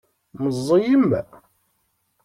Meẓẓiyem?